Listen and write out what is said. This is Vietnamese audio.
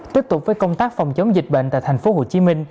tiếp tục với công tác phòng chống dịch bệnh tại tp hcm